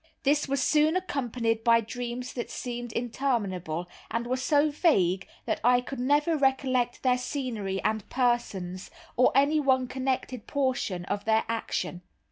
This was soon accompanied by dreams that seemed interminable, and were so vague that I could never recollect their scenery and persons, or any one connected portion of their action.